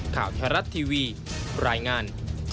ข่าวไทยรัฐทีวีรายงาน